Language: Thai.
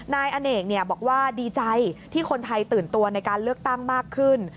นายอเนกบอกว่าดีใจที่คนไทยตื่นตัวในการเลือกตั้งมากขึ้น